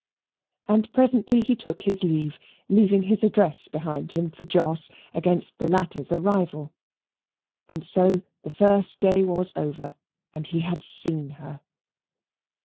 And presently he took his leave, leaving his address behind him for Jos, against the latter's arrival. And so the first day was over, and he had seen her.